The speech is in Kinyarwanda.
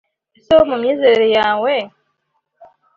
Ese wowe mu myizerere yawe